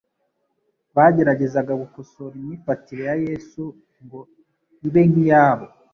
bageragezaga gukosora imyifatire ya Yesu ngo ibe nk'iyab